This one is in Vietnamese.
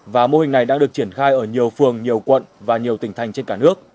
và mô hình này đang được triển khai ở nhiều phường nhiều quận và nhiều tỉnh thành trên cả nước